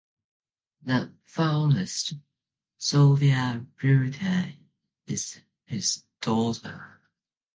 The violist Sophia Reuter is his daughter.